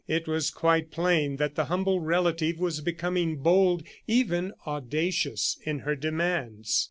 It was quite plain that the humble relative was becoming bold, even audacious, in her demands.